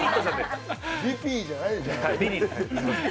リピーじゃないじゃん。